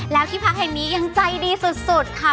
แล้วที่พักแห่งนี้ยังใจดีสุดค่ะ